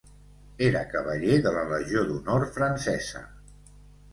Era Cavaller de la Legió d'Honor francesa.